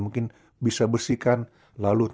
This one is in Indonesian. mungkin bisa bersihkan lalu